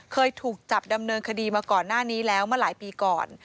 เคยถูกจับดำเนินคดีมาก่อนหน้านี้แล้วมาหลายปีก่อน